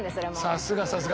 さすがさすが。